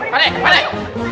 pak dek pak dek